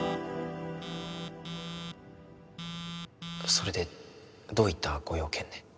それでどういったご用件で？